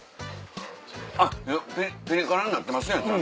あっピリ辛になってますやん